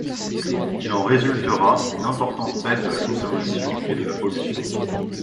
Il en résultera une importante baisse de la consommation et de la pollution.